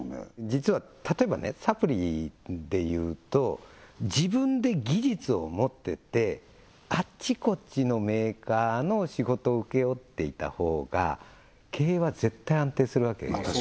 実は例えばねサプリでいうと自分で技術を持っててあっちこっちのメーカーの仕事を請け負っていたほうが経営は絶対安定するわけですまあ